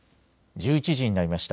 １１時になりました。